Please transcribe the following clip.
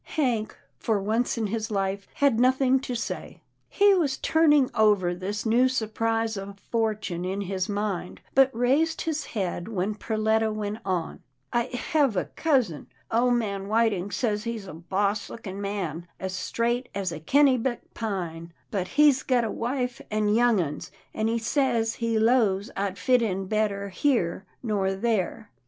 " Hank, for once in his life, had nothing to say. PERLETTA MAKES AN EXPLANATION 301 He was turning over this new surprise of fortune in his mind, but raised his head when Perletta went on. " I hev a cousin — ole man Whiting says he's a boss lookin' man, as straight as a Kennebec pine, but he's gut a wife an' young ones, an' he says he 'lows I'd fit in better here nor there."